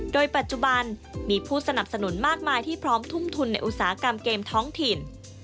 โดยปัจจุบันมีผู้สนับสนุนมากมายที่พร้อมทุ่มทุนในอุตสาหกรรมเกมท้องถิ่น